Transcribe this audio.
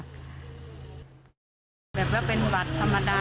นี่น่ะไปเจอเหล้าอีกไหมรอไปส้มอืม